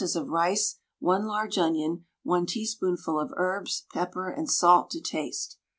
of rice, 1 large onion, 1 teaspoonful of herbs, pepper and salt to taste.